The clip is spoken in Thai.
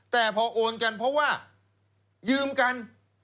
แต่พอโอนกันเพราะว่ายืมกัน